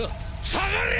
下がれ！